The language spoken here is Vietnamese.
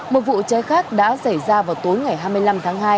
một vụ cháy khác đã xảy ra vào tối ngày hai mươi năm tháng hai